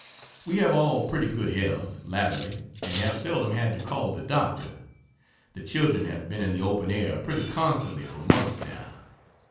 We have all pretty good health, latterly, and have seldom had to call the doctor. The children have been in the open air pretty constantly for months now.